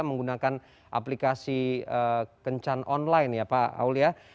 menggunakan aplikasi kencan online ya pak aulia